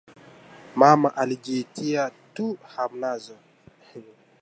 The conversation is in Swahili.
Mama alijiitia tu hamnazo